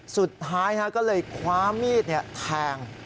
สุดท้ายก็เลยคว้ามีดแทง